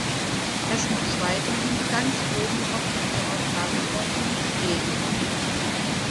Es muss weiterhin ganz oben auf unserer Tagesordnung stehen.